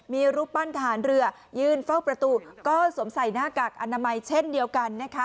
มีรูปปั้นทหารเรือยืนเฝ้าประตูก็สวมใส่หน้ากากอนามัยเช่นเดียวกันนะคะ